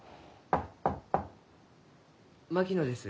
・槙野です。